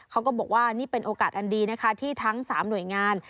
เขาก็บอกว่านี่เป็นโอกาสอันดีนะคะที่ทั้ง๓หน่วยงาน